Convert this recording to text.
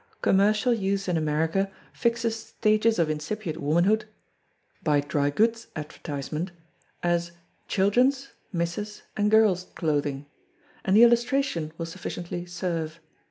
Commercial use in America fixes stages of incipient womanhood by dry goods' advertisement as "children's, misses' and girls' clothing," and the illustration will sufficiently serve.